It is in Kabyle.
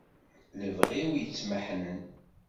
Lebɣi-w yettmeḥnen.